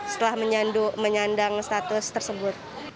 setelah menyandang status tersebut